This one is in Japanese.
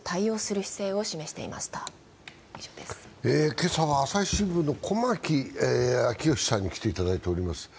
今朝は朝日新聞の駒木明義さんに来ていただいております。